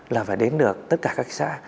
là phải đến được tất cả các xã